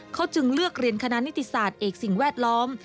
เขาจึงเลือกเรียนคณะนิติศาสตร์เอกสิ่งแวดล้อม